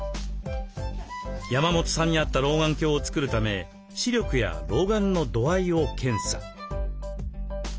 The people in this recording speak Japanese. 山本さんに合った老眼鏡を作るため視力や老眼の度合いを検査。